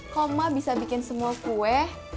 kok emak bisa bikin semua kue